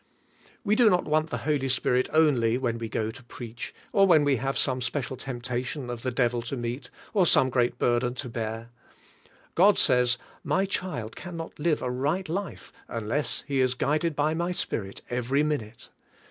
We do not want the Holy Spirit only when we go to preach, or when we have some special temptation of the devil to meet, or some great bur den to bear; God says: "My child can not live a CARNAL CHRISTIANS 17 right life unless he is guided by my Spirit every minute."